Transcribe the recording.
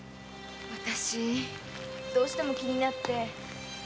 わたしどうしても気になって。